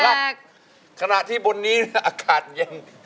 และขณะที่บนนี้อากาศยัง